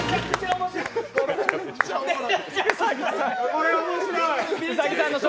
これ面白い！